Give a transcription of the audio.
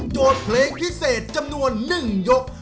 เพลงพิเศษจำนวน๑ยก